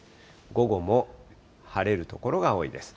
午後も晴れる所が多いです。